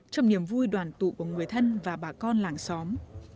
trong niềm vui đoàn tụ của người thân và bà con làng xóm